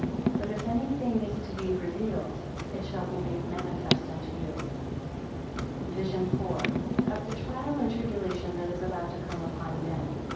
133 But if any thing is to be revealed, it shall be made manifest unto you. VISION IV. Of the trial, and tribulation that is about to come upon men.